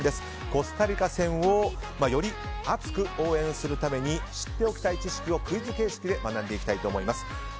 コスタリカ戦をより熱く応援するために知っておきたい知識をクイズ形式で学んでいきたいと思います。